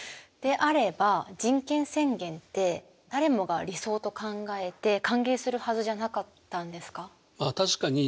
であれば人権宣言って誰もが理想と考えて歓迎するはずじゃなかったんですか？